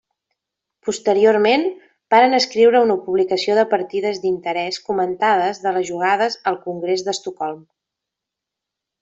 Posteriorment, varen escriure una publicació de partides d'interès comentades de les jugades al Congrés d'Estocolm.